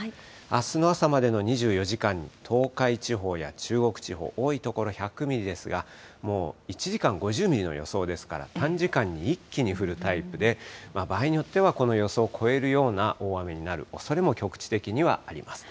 あすの朝までの２４時間に東海地方や中国地方、多い所１００ミリですが、もう１時間５０ミリの予想ですから、短時間に一気に降るタイプで、場合によっては、この予想を超えるような大雨になるおそれも局地的にはあります。